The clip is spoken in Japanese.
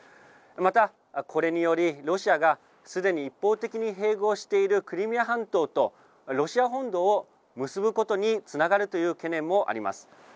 また、これによりロシアがすでに一方的に併合しているクリミア半島とロシア本土を結ぶことにつながるという懸念もあります。